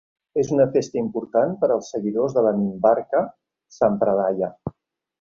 És una festa important per als seguidors de la Nimbarka sampradaya.